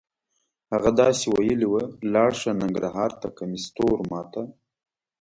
هغه داسې ویلې وه: لاړ شه ننګرهار ته کمیس تور ما ته.